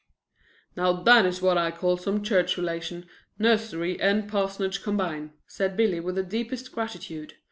"Now that is what I call some church relation, nursery and parsonage combined," said Billy with the deepest gratitude.